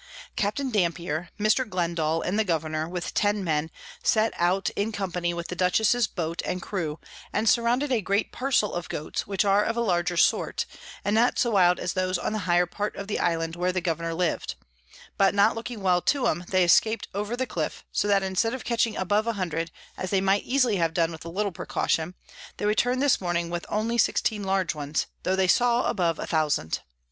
Capt. Dampier, Mr. Glendal, and the Governour, with ten Men, set out in company with the Dutchess's Boat and Crew, and surrounded a great parcel of Goats, which are of a larger sort, and not so wild as those on the higher part of the Island where the Governour liv'd; but not looking well to 'em, they escap'd over the Cliff: so that instead of catching above a hundred, as they might easily have done with a little precaution, they return'd this Morning with only 16 large ones, tho they saw above a thousand.